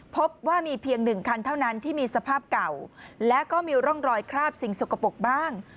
พบว่ามีเพียงหนึ่งคันเท่านั้นที่มีสภาพเก่าและก็มีร่องรอยคราบสิ่งสกปรกบ้าง